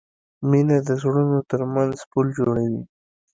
مینه د زړونو ترمنځ پُل جوړوي.